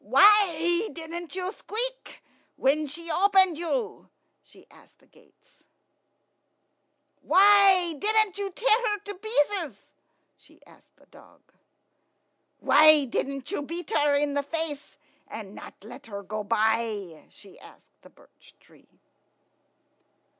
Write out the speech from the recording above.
"Why didn't you squeak when she opened you?" she asked the gates. "Why didn't you tear her to pieces?" she asked the dog. "Why didn't you beat her in the face, and not let her go by?" she asked the birch tree.